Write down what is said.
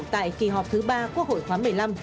tại kỳ họp thứ ba quốc hội khóa một mươi năm